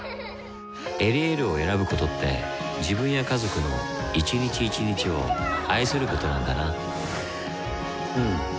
「エリエール」を選ぶことって自分や家族の一日一日を愛することなんだなうん。